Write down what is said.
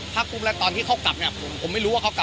กลุ่มแล้วตอนที่เขากลับเนี่ยผมไม่รู้ว่าเขากลับ